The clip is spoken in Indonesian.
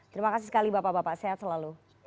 terima kasih sekali bapak bapak sehat selalu